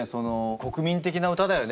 国民的な歌だよね？